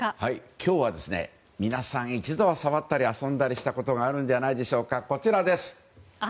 今日は皆さん１度は触ったり遊んだしたことがあるんじゃないでしょうか。